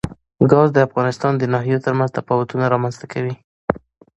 ګاز د افغانستان د ناحیو ترمنځ تفاوتونه رامنځ ته کوي.